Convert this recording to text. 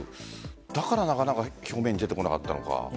だから、なかなか表面に出てこなかったのか。